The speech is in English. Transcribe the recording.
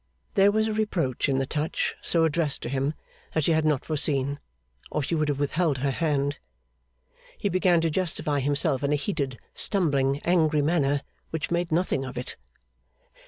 There was a reproach in the touch so addressed to him that she had not foreseen, or she would have withheld her hand. He began to justify himself in a heated, stumbling, angry manner, which made nothing of it.